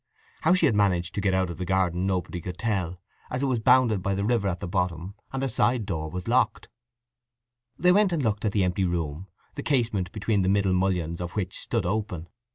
How she had managed to get out of the garden nobody could tell, as it was bounded by the river at the bottom, and the side door was locked. They went and looked at the empty room, the casement between the middle mullions of which stood open.